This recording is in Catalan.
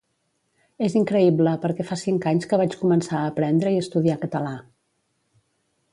És increïble perquè fa cinc anys que vaig començar a aprendre i estudiar català